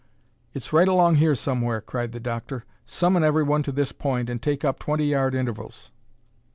"It's right along here somewhere!" cried the doctor. "Summon everyone to this point and take up twenty yard intervals."